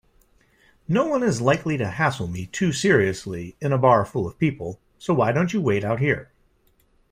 Noone is likely to hassle me too seriously in a bar full of people, so why don't you wait out here?